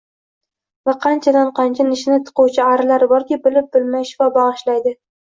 Va qanchadan-qancha nishini tiquvchi “ari”lar borki, bilib-bilmay shifo bag’ishlaydi